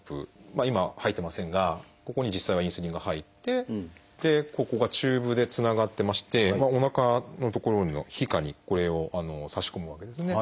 今入ってませんがここに実際はインスリンが入ってここがチューブでつながってましておなかの所の皮下にこれを差し込むわけですね。